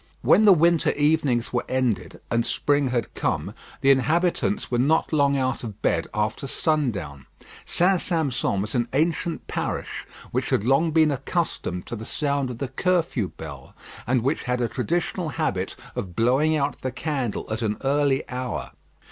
When the winter evenings were ended and spring had come, the inhabitants were not long out of bed after sundown. St. Sampson was an ancient parish which had long been accustomed to the sound of the curfew bell, and which had a traditional habit of blowing out the candle at an early hour.